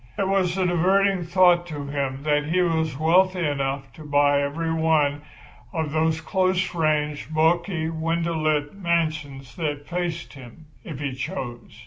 It was a diverting thought to him that he was wealthy enough to buy every one of those close ranged, bulky, window lit mansions that faced him, if he chose.